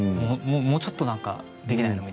もうちょっとなんかできないの？